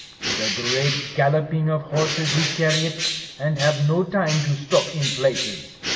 With a great galloping of horses we carry it, and have no time to stop in places.